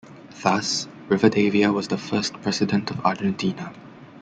Thus Rivadavia was the first president of Argentina.